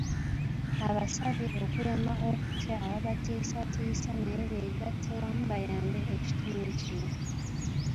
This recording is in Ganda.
Abasabye okulema okutya ababatiisatiisa naye beegatte wamu bayambe ekitundu kino.